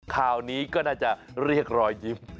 ข่าวนี้ก็น่าจะเรียกรอยยิ้ม